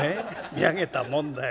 『見上げたもんだよ